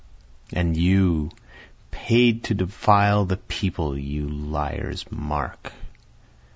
And you, paid to defile the People you liars, mark!